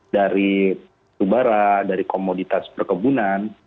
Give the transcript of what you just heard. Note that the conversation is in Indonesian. dari tubara dari komoditas perkebunan